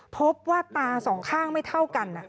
พบว่าตาสองข้างไม่เท่ากัน